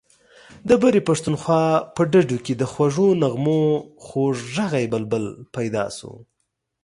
د برې پښتونخوا په ډډو کې د خوږو نغمو خوږ غږی بلبل پیدا شو.